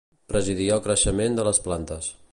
Presidia el creixement de les plantes.